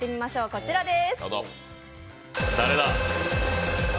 こちらです。